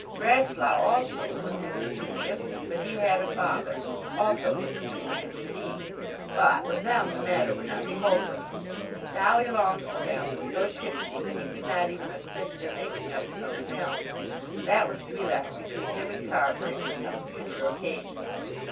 Grasslough, also, was impecunious; but he had a father, also impecunious, indeed; but with them the matter would not be hopeless. Dolly Longestaffe was so tipsy that he could not even assist in making up his own account. That was to be left between him and Carbury for some future occasion.